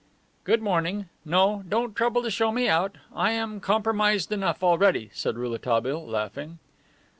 "Good morning. No, don't trouble to show me out. I am compromised enough already," said Rouletabille, laughing.